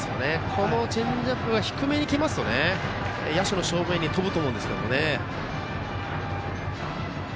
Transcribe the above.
このチェンジアップが低めに来ますと野手の正面に飛ぶと思います。